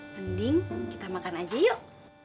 pending kita makan aja yuk